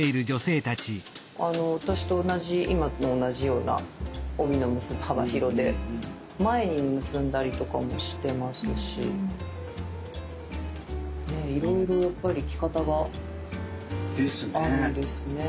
私と同じ今と同じような帯の幅広で前に結んだりとかもしてますしいろいろやっぱり着方があるんですね。ですね。